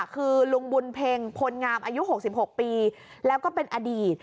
คือลุงบุญเพ็งพลงามอายุ๖๖ปีแล้วก็เป็นอดีต